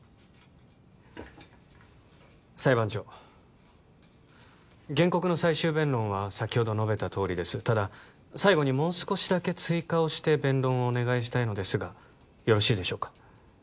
裁判長原告の最終弁論は先ほど述べたとおりですただ最後にもう少しだけ追加をして弁論をお願いしたいのですがよろしいでしょうか？